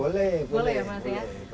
boleh ya mas ya